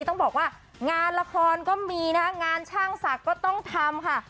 ต้องบอกว่างานละครก็มีนะงานช่างศักดิ์ก็ต้องทำค่ะ